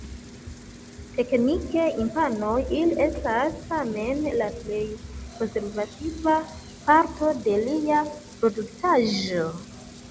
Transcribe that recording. Teknike imponaj, ili estas tamen la plej konservativa parto de lia produktaĵo.